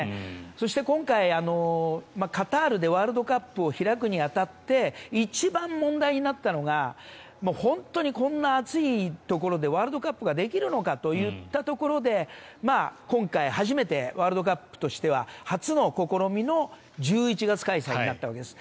そして今回、カタールでワールドカップを開くに当たって一番問題になったのが本当にこんな暑いところでワールドカップができるのかといったところで今回、初めてワールドカップとしては初の試みの１１月開催になったわけです。